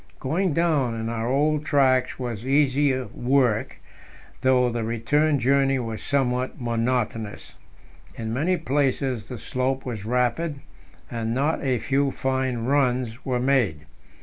Going down in our old tracks was easier work, though the return journey was somewhat monotonous. In many places the slope was rapid, and not a few fine runs were made.